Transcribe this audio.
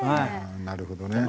なるほどね。